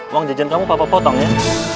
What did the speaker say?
uang jajan kamu papa potong ya